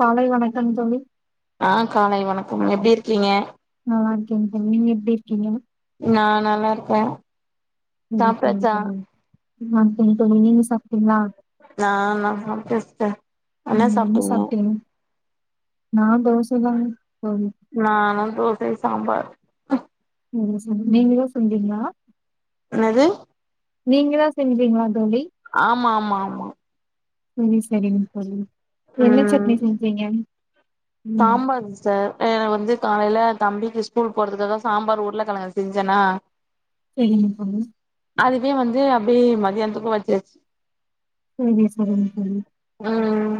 காலை வணக்கம் தோழி ஆ காலை வணக்கம் எப்டி இருக்கீங்க நல்லாயிருக்கே க நீங்க எப்டி இருக்கிங்க நா நல்லாயிருக்க [unintelligible] நீங்க [unintelligible] அப்டிங்களா நா நா சாப்ட்டே சிஸ்டர் ம் என்ன சாப்டிங்க நா தோசதாங்க இப்போ நானு தோசை சாம்பார் [unintelligible] நீங்களே செஞ்சிங்களா யன்னாது நீங்க தா செஞ்சீங்களா தோழி ஆமா ஆமா ஆமா ம் சரிங்க தோழி என்ன ம் சட்னி செஞ்சீங்க ம் சாம்பார் சிஸ்டர் எனக்கு வந்து காலையில தம்பிக்கு ஸ்கூல் போறதுக்குகாக சாம்பார் உருள கெழங்க செஞ்சேனா செரிங்க தோழி அதுவே வந்து அப்டியே மத்தியானத்துக்கு வச்சியாச்சி சேரிங்க சேரிங்க தோழி ம்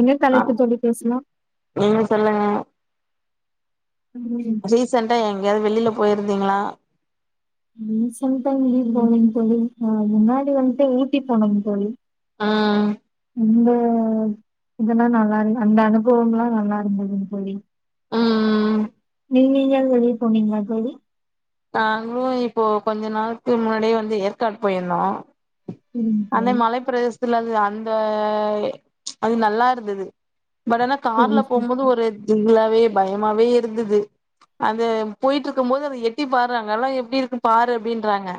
என்ன ஆ தலைப்பு தோழி பேசலா நீங்க சொல்லுங்க ரீசென்டா எங்கேயாவது வெளில போயிருந்தீங்ளா ரிசன்டா எங்கியு போகலிங் தோழி ஆ முன்னாடி வன்ட்டு ஊட்டி போனோந் தோழி ஆ இது இதெல்லா நல்லாயில்லைங் அந்த அனுபவமெல்லா நல்லாயிருந்ததுங் தோழி ம் நீங்க எங்கயாவது வெளிய போனீங்ளா தோழி நாங்களு இப்போ கொஞ்ச நாளைக்கு முன்னாடியே வந்து ஏற்காடு போயிருந்தோ சரிங்க அந்த தோழி. மலைப்பிரதேச த்துல அது அந்த அது நல்லா இருந்தது பட் ஆனா சரி கார்ல சரி போம்போது ஒரு இதில்ல இப்பயே பயமாவே இருந்தது அது போயிட்டு இருக்கும்போது அது எட் டி பாரு அங்கெல்லா எப்டி இருக்கும் பாரு அப்படின்றாங்க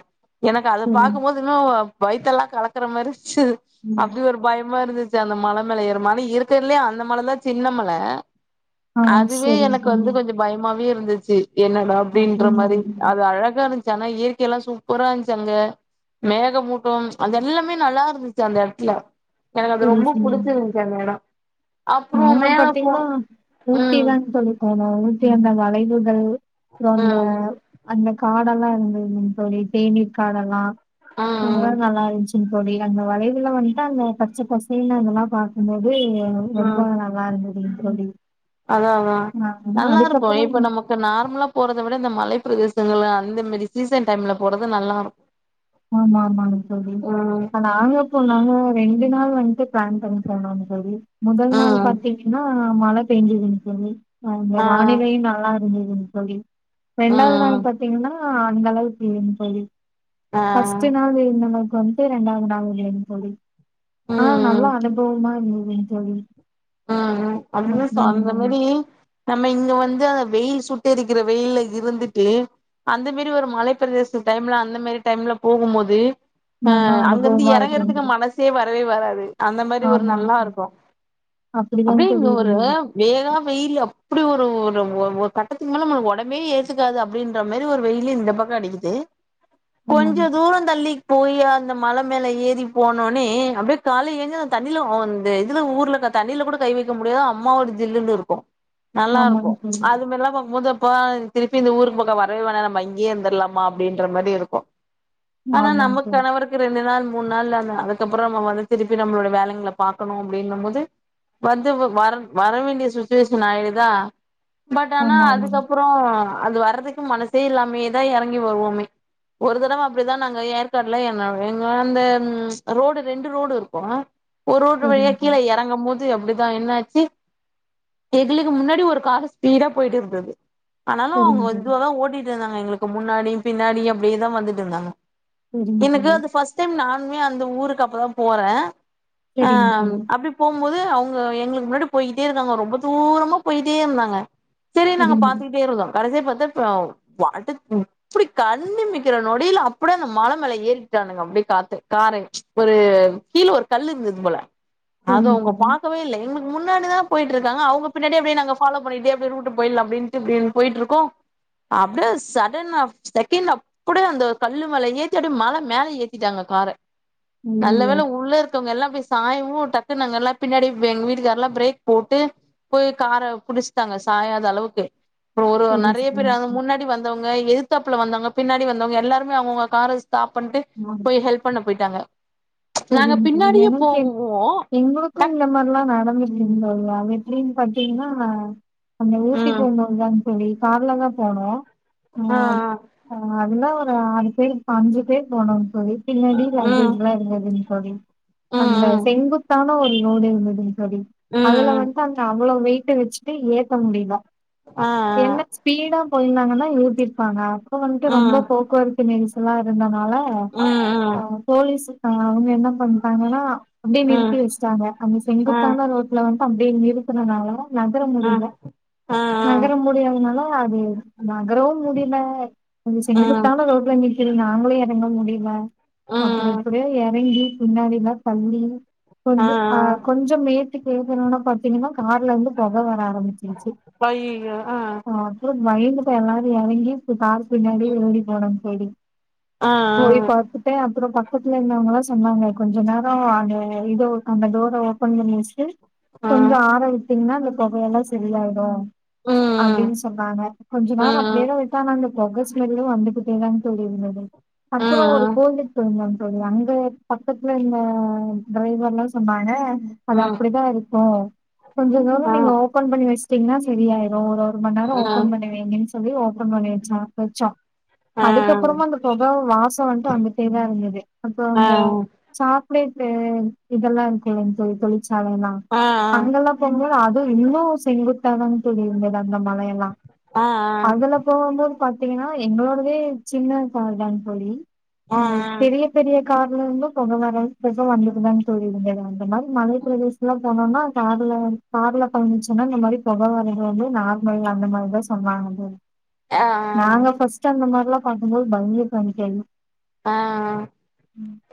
எனக்கு அத சரி பாக்கும்மோது இன்னு ஒ வயித்தெல்லா கலக்கற மாரிச்சுது ம். அப்டி ஒரு பயமா இருந் ச்சு அந்த மல மேல ஏற மல இருக்கறதுலயே அந்த மலதா சின்ன மல ஆ அதுவே சரிங்க எனக்கு வந்து தோழி கொஞ்சோ பயமாவே இருந்துச்சு என்னடா அப்படின்ற அப்படிங்களா மாரி தோழி அது அழகா இருந் ச்சு ஆனா இயற்கை எல்லா சூப்பரா இருந்ச்சு அங்க மேகமூட்டோம் அது எல்லாமே நல்லா இருந்துச்சு அந்த எடத்துல எனக்கு அது ரொம்ப புடிச்சிருந்ச்சு அந்த எடோ அப்றோ அவுங்க மேல போ பாத்தீங்ன்னா ம் ஊட்டிதான்னு சொல்லிருக்காங்க ஊட்டி அந்த வளைவுகள் அப்புறோ அந்த ம் அந்த காடல்லா இருந்ததுதுங் தோழி தேநீர் காடெல்லா ஃபுல்லா ம் நல்லா இருந்ச்சு ங் தோழி அந்த வளைவுல வந்ட்டு அந்த பச்ச பசேன்னு அதெல்லா பாக்கும்போது ரொம்ப ம் நல்லா இருந்ததுங் தோழி அதா அதா ஆ நல்லா இருக்கு அதுக்கப்புறம் இப்ப நமக்கு நார்மலா போறத விட இந்த மலை பிரதேசங்கள்ள அந்த மாரி சீசன் டைம்ல போறது நல்லாரு ஆமா ஆமாங் தோழி ஆனா நாங்க போனாலு ரெண்டு நாள் வன்ட்டு பிளான் பண்ணி போணோங் தோழி முதல் நாள் ம் பாத்தீங்கின்னா மழை பேஞ்சுதுங் தோழி அங்க ஆ வானிலையும் நல்லா இருந்ததுங் தோழி ரெண்டாவது ம் நாள் பாத்தீங்னா ஆ அந்த அளவுக்கு இல்லைங்க தோழி ஆ ஃபஸ்ட்டு நாள் இருந்த மா வன்ட்டு ரெண்டாவது நாள் இல்லைங் தோழி ஆனா ம் நல்லா அனுபவமா இருந்ததுங் தோழி ஆ ஆ அதுல சோ அந்த அப்புறம் மாரி நம்ம இங்க வந்து அந்த வெயில் சுட்டெரிக்கிற வெயில்ல இருந்துட்டு அந்த மேரி ஒரு மலைப்பிரதேச டைம்ல அந்த மாரி டைம்ல போகும்போது ஆ நல்லா அங்கிந்து அனுபவமா எறங்கறதுக்கு இருக்குங்க மனசே வரவே வராது அந்த மாரி ஒரு ஆமாங்க நல்லா தோழி இருக்கு அப்படிதாங்க அப்டியே தோழி இங்க ஒரு இருந்தது வேகா வெயிலு அப்டி ஒரு ஒரு ஒ ஒரு கட்டத்துக்கு மேல நம்மளுக்கு ஒடம்பே ஏத்துக்காது அப்டின்ற மாரி ஒரு வெயிலி இந்த பக்கோ அடிக்குது கொஞ்ச ஆமாங்க தூரோ தள்ளி போயி அந்த மல மேல ஏறி போன ஒன்னே அப்டியே கால்ல ஏங்க தண்ணில ஆ அந்த இதுல ஊர்ல க தண்ணில கூட கை வெக்க முடியாது அம்மா ஒரு ஜில்லுனு இருக்கு நல்லா ஆமாங்க இருக்கு தோழி அது மேரில்லா பாக்கும்போது போலாங் திருப்பி இந்த ஊருக்கு பக்கோ வரவே வேனா நம்ம இங்கியே இருந்தர்லாமா அப்டின்ற மாரி இருக்கு ஆனா ஆமாங்க நம்ம தோழி கணவருக்கு ரெண்டு நாள் மூண் நாள்ல ன்னா அதுக்கப்புறோ நம்ம வந்து திருப்பி நம்மளோட வேலைங்கள பாக்கணு அப்டிங்கும்போது வந்து வர வர வேண்டிய சுச்சுவேஷன் ஆயிடுதா பட் ஆனா ஆமா ஆமாங்க அதுக்கப்புறோ அது வர்றதுக்கு மனசே இல்லாமயேதா எறங்கி வருவோமே ஒரு தடவ அப்டிதா நாங்க ஏற்காட்ல என்னோ எங்க அந்த ரோடு ரெண்டு ரோடு இருக்கு ஒரு ரூட்டு வழியா சரிங்க கீழ தோழி எறங்கும்போது தா என்னாச்சு எங்களுக்கு முன்னாடி ஒரு காரு ஸ்பீடா போயிட்டு இருந்தது ஆனாலு அவங்க சரிங்க ஒரு தோழி இதுவாதா ஓட்டிட்ருந்தாங்க எங்களுக்கு முன்னாடி பின்னாடி அப்டேதா வந்துட்ருந்தாங்க சரிங்க எனக்கு தோழி அந்த ஃபர்ஸ்ட் டைம் நானுமே அந்த ஊருக்கு அப்ப தா போற ஆ சரிங்க தோழி அப்டி போ போது அவங்க எங்களுக்கு முன்னாடி போயிகிட்டே இருக்காங்க ரொம்ப தூரமா போயிட்டே இருந்தாங்க சரி நாங்க சரிங்க. பாத்துக்கிட்டே இருந்தோ கடைசியா பாத்தா இப்ப ஆ வாட்டு இப்டி கண்ணிமைக்கிற நொடியில அப்டே அந்த மல மேல ஏறி வின்ட்டானுங்க அப்டே காத்து கார ஒரு கீழ ஒரு கல் இருந்தது போல அத சரிங்க அவங்க தோழி. பாக்கவே இல்ல எங்களு முன்னாடி தா போய்ட்ருக்காங்க அவுங்க பின்னாடியே அப்டே நாங்க ஃபாலோ பண்ணிட்டே எப்டி ரூட்டு போய்ட்லா அப்டின்ட்டு பின் போயிட்ருக்கோ அப்டே சடன் ஆஃப் செகண்ட்ல அப்டே அந்த கல்லு மேல ஏத்தி அப்டே மல மேல ஏத்திட்டாங்க கார நல்ல ஐயய்யோ! வேல உள்ள இருக்கவங்க எல்லா போய் சாயவு டக்குனு நாங்க எல்லா பின்னாடி எங்க வீட்டுக்கார் எல்லா பிரேக் போட்டு போய் கார புடிச்சட்டாங்க சாயாத அளவுக்கு ப்றோ ஒரு சரி, நறைய பேர் சரிங்க. முன்னாடி வந்தவங்க எதித்தாப்புல வந்தவங்க பின்னாடி வந்தவங்க எல்லாருமே அவுங்கவுங்க கார ஸ்டாப் பண்ணிட்டு போய் ஹெல்ப் பண்ண போயிட்டாங்க நாங்க [unintelligible] பின்னாடியே எங்களுக்கே போவோ எங்களுக் கு டக் இந்த மாறிலா நடந்து சொல்வாங்க எப்டின்னு பாத்தீங்ன்னா அந்த ஊட்டி ம் போம்போதுதா தோழி கார்ல தா போனோ ஆ ஆ அ அதெல்லா ஆறு பேரு அஞ்சு பேர் போனோ தோழி பின்னாடி ம் லங்கேஜ்ல்லா இருந்ததுங் தோழி ம் அங்க ம் செங்குத்தான ஒரு ரோடு இருந்ததுங் தோழி ம் அதுல ம் வந்துட்டு அங்க அவ்வள வெயி ட்ட வச்சிட்டு ஏத்த முடில ஆ ஏன்ன ஸ்பீடா போயிருந்தாங்கன்னா ஏத்திருப்பாங்க இப்ப வந்துட்டு ஆ ரொம்ப போக்குவரத்து நெரிசல்லா இருந்தனால ம் ம் ஆ போலீஸ்சு ஆ அவுங்க என்ன பண்டாங்கனா அப்டியே ம் நிறுத்தி வச்ட்டாங்க அங்க ம் ஆ செங்குத்தான ரோட்ல வந் அப்டின்னு நிறுத்தனனால தா நகர முடில ஆ ஆ நகர முடியாதனால அது நகரவு முடில கொஞ்சோ ஆ ம் செங்குத்தான ரோட்ல நிக்கற நாங்களே எங்கால முடில அப்பறோ ம் எறங்கி பின்னாடிலா தள்ளி ஆ கொஞ்ச ஆ அ கொஞ்சோ மேட்டுக்கு ஏத்தணுனா ப சென்னிமோ கார்ல இருந்து பொக வர ஆரம்பிச்சிருச்சு அய்யய்யோ ஆ அ பயந்துட்ட எல்லாரு எறங்கி கார் பின்னாடி ஓடி போனோ தோழி ஆ போய் ஆ பாத்துட்ட அப்பற ப க்கத்துல இருந்தவங்களா சொன்னாங்க கொஞ்சோ நேரோ அங்க இதோ அந்த டோரை ஓபன் பண்ணி வச்சுட்டு ஆ கொஞ்சோ ஆர விட்டிங்கன்னா அந்த பொகயெல்லா சரியாயிடு ம் ம் அப்டின்னு சொன்னாங்க கொஞ்சோ நாளா அப்டே ம் தா விட்டானா பொக ஸ்மெல்லு வந்துகிட்டேதா தோழி இருந்தது அப்பறோ ஒரு கோல்க்கு தழந்த தோழி அங்க பக்கத்துல இந்த டிரைவர்ல்லா சொன்னாங்க அது ம் அப்டிதா இருக்கு கொஞ்சோ தூரோ ஆ ஆ நீங்க ஓபன் பண்ணி வச்ட்டிங்கன்னா சரியாயிரு ஒரு ஒரு மணி நேரோ ஆ ஓபன் பண்ணுவீங்கன்னு சொல்லி ஓபன் பண்ணி வச்சா வச்சோ ஆ ஆ ஆ அதுக்கப்பறமா அந்த பொக வாசோ வந்து வந்துட்டே தா இருந்தது அப்போ ஆ அந்த சாக்லேட்டு இதெல்லா இருக்குல்ல தோழி தொளிச் அவங்கதா அங்கெல்லா பொங்கலு அது இன்னு செங்குத்தான தோழி இருந்தத இந்த மலையெல்லா ஆ அதுல போகும்போது பாத் தீங்கன்னா எங்களோடவே சின்ன கார்தா தோழி அ பெரிய பெரிய கார்ல இருந்து பொக வர வந்ததுதா தோழி இருந்த அந்த மாறி மலை பிரதேசலா போனோனா கார் அதுல கார்ல பழந்துச்சுன்னா இந்த மாறி பொக வரது வந்து நார்மல் அந்த மாறிதா சொன்னாங்கா ஆ நாங்க ஃபர்ஸ்ட்டு அந்த மார்லா பான்னுபோது [unintelligible] ஆ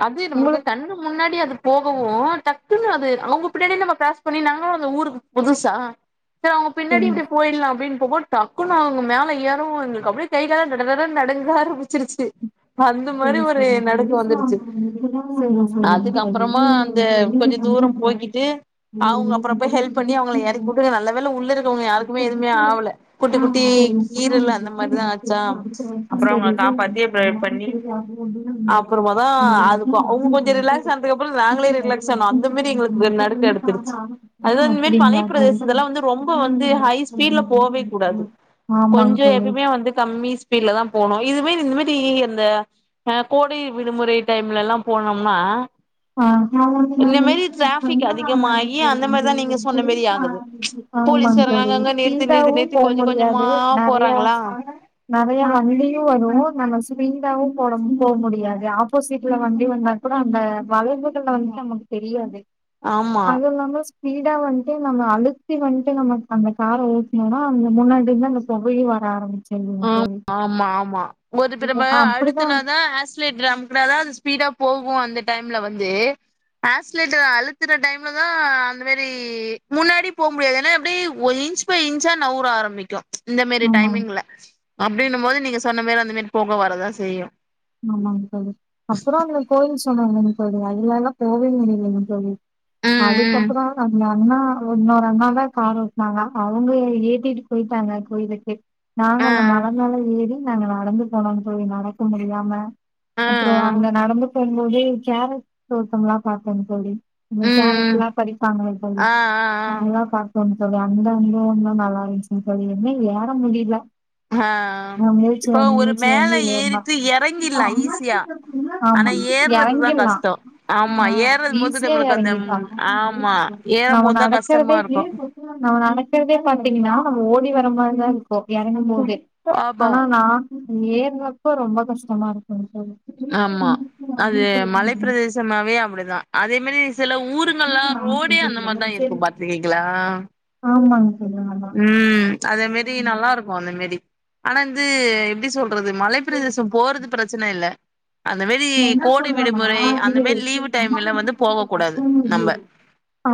அது நம்மளுக்கு உங்களுக்கு கண்ணு முன்னாடி அது போகவு டக் அதுங்க அது அவுங்க பின்னாடியே நம்ப க்ராஸ் பண்ணி நாங்களு அந்த ஊருக்கு புதுசா சேர் அவுங்க பின்னாடியே புரியுது இப்டி போயிட்லா அப்டின்னு அப்பப டக்குனு அவுங்க மேல ஏறவு எங்களுக்கு அப்டே கைகால்ல டடடடானு நடுங்க ஆரம்பிச்சிருச்சு அந்த மாறி புரியுது ஒரு சொல்லுங்க நடுக்கோ தோழி வந்துருச்சு சரிங்க சரிங்க அதுக்கப்பறமா அந்த தோழி கொஞ்சோ தூரோம் போய்கிட்டு அவுங்க அப்பறோ போய் ஹெல்ப் பண்ணி அவுங்கள எறக்குட்டு நல்ல வேல உள்ள இருக்கவங்க யாருக்குமே எதுவுமே ஆவல குட்டி குட்டி கீரல் அந்த மாறிதா ஆச்சா அப்றோ அவங்கள காப்பாத்தி பிரே பண்ணி அப்றோமா தா அது அவுங்க கொஞ்சோ ரிலாக்ஸ் ஆனதுக்கு அப்றோ நாங்களே ரிலாக்ஸ் ஆனோ அந்த மாறி எங்களுக்கு இந்த நடுக்கம் எடுத்துருச்சு அதுமேரி அப்படிங்களா பனிப் பிரதேசம் இதெல்லாம் வந்து ரொம்ப வந்து ஹை ஸ்பீட்ல தோழி போவே கூட அது ஆமாங்க கொஞ்சோ தோழி எப்பயுமே வந்து கம்மி ஸ்பீட்ல தா போனு இது மாரி இது மாரி அந்த ஆ கோடை விடுமுறை டைம்லெல்லா போனோம்னா ஆஹ் இந்த மாரி டிராபிக் அதிகமாகி அந்த மாரிதா நீங்க சொன்ன மாரி ஆகுது [unintelligible] ஆமாங்க போலீஸ்காரங்க தோழி அங்கங்க நிறுத்தி நிறுத்தி ஸ்பீடாவு நிறுத்தி போக கொஞ்ச கொஞ்சமா முடியாது நெறையா போறாங்களா நெறையா வண்டி [unintelligible] நம்ம ஸ்பீடாவும் போட போக முடியாது ஆப்போசிட்ல வண்டி வந்தா கூட அந்த வளைவுகல்ல வந்து நமக்கு தெரியாது ஆமா அது இல்லாம ஸ்பீடா வந்து நம்ம அழுத்தி வந்துட்டு நம்ம அந்த கார ஓட்னோம்னா அந்த முன்னாடி இருந்து அந்த புகையு வர ஆரம்ச் ம்ம் சொல்லு ஆம் ஆமா ஆமா ஒரு இப்ப நம்ம அப்படிதா அழுத்துனாதா ஆக்ஸ்லேட்டரை அமக்குனாதா அது ஸ்பீடா போகும் அந்த டைம்ல வந்து அசீலேட்டர் அழுத்துற டைம்ல தா அந்த மாரி முன்னாடி போ முடியாது ஏன்னா எப்புடி ஒல்லி இன்ச் பை இன்சா நவுற ஆரம்பிக்கு இந்த மாரி ஆமா டைமிங்ல அப்டின்னு போது நீங்க சொன்ன மாரி அந்த மாரி போக வரதான் செய்யும் ம் ஆமாங்க தோழி அப்புறோ அங்க கோயில் சொன்னாங்கல்ல தோழி அங்க எல்லா போவே முடிலங்க தோழி ம் ம் அதுக்கப்புறோ அந்த அண்ணா இன்னொரு அண்ணா தான் கார் ஓட்னாங்க அவுங்க என்ன ஏத்திட்டு போயிட்டு டாங்க கோயிலுக்கு நாங்க ஆ அந்த மல மேல ஏறி நாங்க நடந்து போனோம்ங்க தோழி நடக்க முடியாம ஆ ஆ அப்புறோ அங்க நடந்து போம் போது கேரட் தோட்டம்லாம் பாத்தோங்க தோழி ம் கேரட்லாம் பரிப்பாங்கல்ல தோழி ஆ ஆ ஆ நல்லா பாத்தோ அங்க தோழி அந்த அந்த ஒன்னு நல்லா இருஞ்சுங்க தோழி என்ன ஏற முடில ஆ இப்போ ஒரு மேல வாங்கி ஏறுனோ ஏறிட்டு எறங்கிட்லா ஈஸியா ஆமா ஆனா ஏர்றதுதா எறங்கிற்லா கஷ்டோ ஆ ஆமா ஏறும் போது ஈஸியா நம்மளுக்கு அந்த எறங்கிட்லா ஆமா [inaudible] ஏறும் நம்ம போதுதா கஷ்டமா நடக்குறதே இருக்கு நம்ம ந நடக்குறதே பாத்தீங்கன்னா நம்ம ஓடி வர மாரிதா இருக்கும் எறங்குபோது ஆமா ஆனா நா ஏற்னப்போ ரொம்ப கஷ்டமாருக் ஆமா அது மலைப்பிரதேசமாவே அப்புடிதா அதே மாரி சில ஊருங்கல்லா ரோடே அந்த மாரிதா சரி இருக்கு பாத்துருக்கீங்களா ஆமாங் தோழி ஆமா ம் அத மாரி நல்லாருக்கும் அந்த மாரி ஆனா இந்து எப்டி சொல் றது மலைப்பிரதேசம் போறது பிரச்சன இல்ல அந்த மாரி நா என்ன கோடை சொல்றேன்னா விடுமுறை அந்த மாரி லீவு டைம்ல வந்து போக கூடாது நம்ப [unintelligible]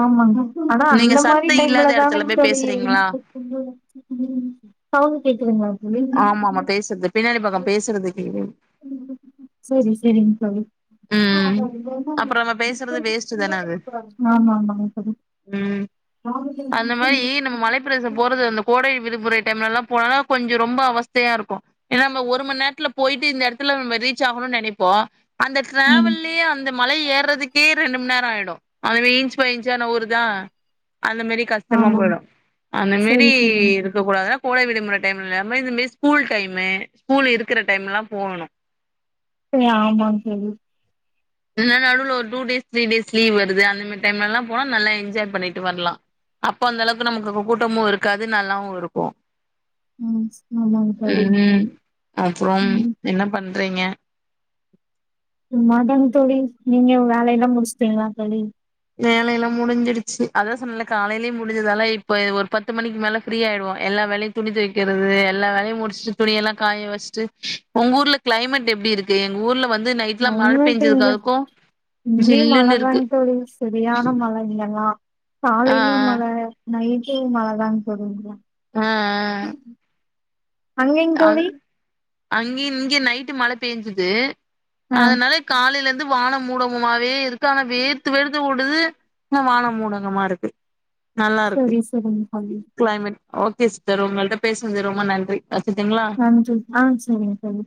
ஆமாங்க ஆனா நீங்க அந்த மாரி சத்த டைம்ல இல்லாத எடத்துல தானேங்க போய் தோழி பேசுறீங்களா சவுண்ட் கேக்குதுங்களா தோழி ஆமா ஆமா பேசுறது பின்னாடி பக்கோ பேசுறது இப்பயுமே சோரி சேரிங் ம் அப்றோ நம்ம பேசுறது வேஸ்ட்டு தான அது ஆமா ஆமாங்க ம் தோழி [unintelligible] அந்த மாரி நம்ம மலைப்பிரதேசம் போறது அந்த கோ கோடை விடுமுறை டைம்ல எல்லா போனன்னா கொஞ்சம் ரொம்ப அவஸ்த்தையாருக்கும் ஏன்னா அந்த ஒரு மணி நேரத்துல போயிட்டு இந்த எடத்துல நம்ப ரீச் ஆகணும்னு நெனைப்போம் அந்த ம் டிராவல்லயே அந்த மலை ஏறதுக்கே ரெண்டு மண் நே ரோ ஆயிடும் அதுவே இன்ச் பை இன்சா நவுருதா அந்த மாரி கஷ்டமா ஆமாங்க போயிடும் அந்த மாரி சரி சரிங்க இருக்க தோழி கூடாதுனா கோடை விடு இந்த மாரி டைம்லாமே இந்த மாரி ஸ்கூல் டைம் ஸ்கூல் இருக்குற டைம்முல்லா போகணும் [unintelligible] ஆமாங் தோழி இல்லன்னா நடுவுல ஒரு two days three days leave வருது அந்த மாரி டைம்லலாம் போனா நல்லா என்ஜாய் பண்ணிட்டு வர்லா அப்போ அந்த அளவுக்கு நமக்கு கு கூட்டமும் இருக்காது நல்லாவு இருக்கும் ம் ஆமாங்க தோழி ம் அப்புறம் ம் என்ன பண்றீங்க சும்மாத்தாங் தோழி நீங்க வேலைலா முடுஷ்டீங்ளா தோழி வேலைலா முடுஞ்சுடுச்சு அதா சொன்னல காலைலே முடிஞ்சதால இப்ப இது ஒரு பத்து மணிக்கு மேல ஃப்ரீ ஆயிடுவோ எல்லா வேலையு துணி தெக்கிறது எல்லா வேலையு முடுஷ்டு துணியெல்லா காய வஷ்ட்டு ஒங் ஊர்ல க்ளைமெட் எப்டிருக் கே எங் ஊர்ல வந்து நைட்லா மழ க்ளைமேட் பெஞ்சதுக்கு இங்க அதுக்கு இங்கியு ஜில்லுன்னு இருக்கு மழதாங் தோழி செத் வியான மழ இங்கலா ஆ காலைலி மழ நைட்டு மழ தாங் தோழி இங்க அ அ அங்கைங் தோழி அங்கி இங்க நைட்டு மழ பேஞ்சுது ஆ அதனால காலைலந் வான மூடமுமாவே இருக்கு ஆனா வேர்த்து வேர்த்து ஓடுது வான முடகமா இருக்கு சரி சரிங்க தோழி க்ளைமேட் ஓகே ஸ்டர் ஒங்கள்ட்ட பேஸ்னது ரொம்ப நன்றி கச்சிட்டிங்ளா நன்றி ஆ சரிங்க தோழி